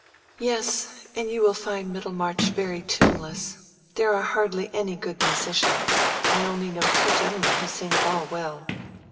"Yes, and you will find Middlemarch very tuneless. There are hardly any good musicians. I only know two gentlemen who sing at all well."